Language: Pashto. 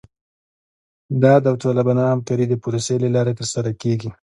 دا د داوطلبانه همکارۍ د پروسې له لارې ترسره کیږي